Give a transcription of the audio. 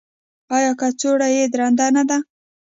ایا کڅوړه یې درنده نه ده؟